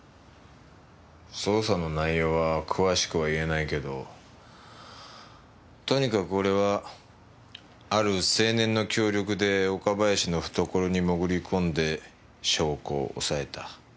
捜査の内容は詳しくは言えないけどとにかく俺はある青年の協力で岡林の懐に潜り込んで証拠を押さえた。